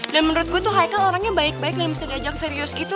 dan menurut gue tuh haikal orangnya baik baik dan bisa diajak serius gitu